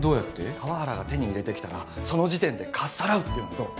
河原が手に入れてきたらその時点でかっさらうっていうのはどう？